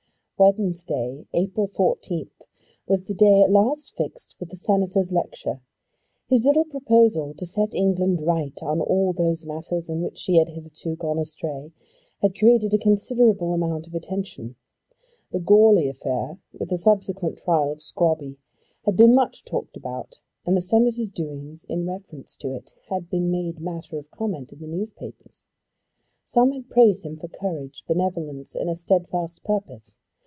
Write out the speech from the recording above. Wednesday, April 14th, was the day at last fixed for the Senator's lecture. His little proposal to set England right on all those matters in which she had hitherto gone astray had created a considerable amount of attention. The Goarly affair with the subsequent trial of Scrobby had been much talked about, and the Senator's doings in reference to it had been made matter of comment in the newspapers. Some had praised him for courage, benevolence, and a steadfast purpose.